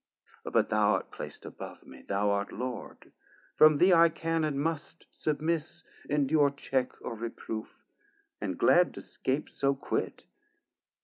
But thou art plac't above me, thou art Lord; From thee I can and must submiss endure Check or reproof, and glad to scape so quit.